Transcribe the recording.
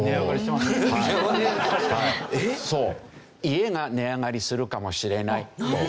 家が値上がりするかもしれないという。